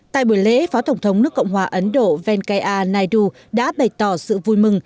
tại buổi lễ phó tổng thống nước cộng hòa ấn độ venkaya naidu đã bày tỏ sự vui mừng